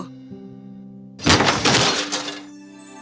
dia menemukan artefak yang sangat menarik